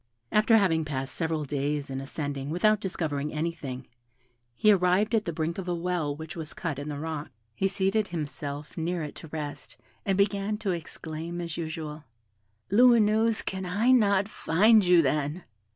After having passed several days in ascending without discovering anything, he arrived at the brink of a well which was cut in the rock. He seated himself near it to rest, and began to exclaim, as usual, "Lumineuse, can I not find you, then?"